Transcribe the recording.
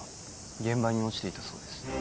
現場に落ちていたそうです